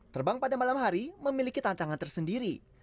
terbang pada malam hari memiliki tantangan tersendiri